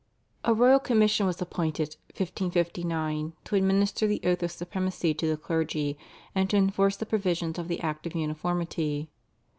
A royal commission was appointed (1559) to administer the oath of supremacy to the clergy, and to enforce the provisions of the Act of Uniformity.